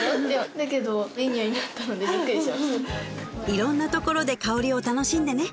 いろんなところで香りを楽しんでね